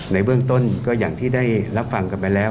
ในเบื้องต้นก็อย่างที่ได้รับฟังกันไปแล้ว